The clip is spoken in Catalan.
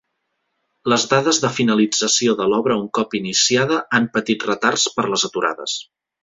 Les dates de finalització de l'obra un cop iniciada han patit retards per les aturades.